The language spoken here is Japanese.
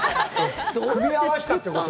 組み合わせたということ？